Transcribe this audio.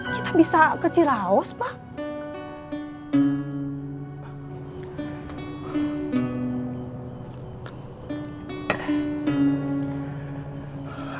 kita bisa ke ciraus pak